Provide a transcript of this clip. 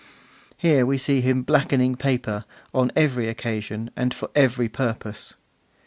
Here we see him blackening paper, on every occasion, and for every purpose.